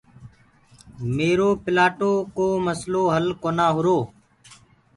ميرو پِلآٽو ڪو مسلو هل ڪونآ هُرو۔